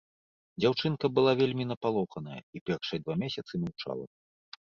Дзяўчынка была вельмі напалоханая, і першыя два месяцы маўчала.